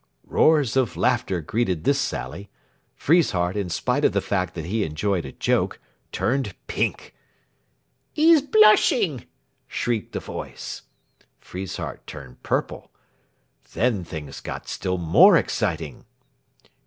Roars of laughter greeted this sally. Friesshardt, in spite of the fact that he enjoyed a joke, turned pink. "'E's blushing!" shrieked a voice. Friesshardt turned purple. Then things got still more exciting.